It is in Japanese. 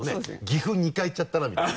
「岐阜２回行っちゃったな」みたいな。